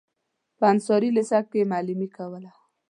په انصاري لېسه کې معلمي کوله.